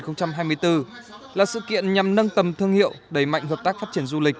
năm hai nghìn hai mươi bốn là sự kiện nhằm nâng tầm thương hiệu đẩy mạnh hợp tác phát triển du lịch